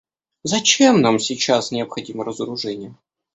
Зачем нам сейчас необходимо разоружение?